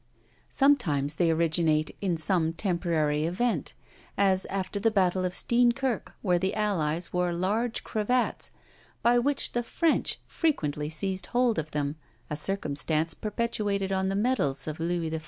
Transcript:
Sometimes they originate in some temporary event; as after the battle of Steenkirk, where the allies wore large cravats, by which the French frequently seized hold of them, a circumstance perpetuated on the medals of Louis XIV.